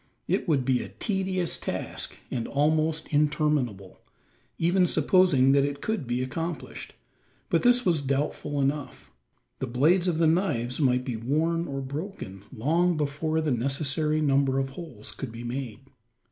It would be a tedious task and almost interminable, even supposing that it could be accomplished; but this was doubtful enough. The blades of the knives might be worn or broken, long before the necessary number of holes could be made.